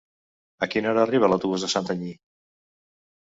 A quina hora arriba l'autobús de Santanyí?